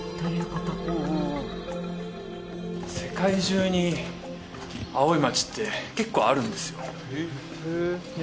世界中に青い街って結構あるんですよで